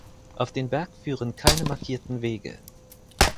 Auf den Berg führen keine markierten Wege.